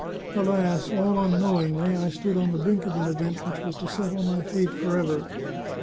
Alas, all unknowingly, I stood on the brink of an event which was to settle my fate forever.